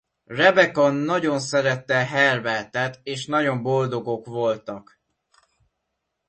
Rebecca nagyon szerette Herbert-et és nagyon boldogok voltak.